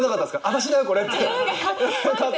「私だよこれ」って。